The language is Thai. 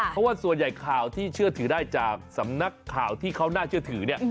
เพราะว่าส่วนใหญ่ข่าวที่เชื่อถือได้จากสำนักข่าวที่เขาน่าเชื่อถือเนี่ย